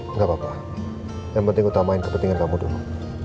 nggak apa apa yang penting utamain kepentingan kamu dulu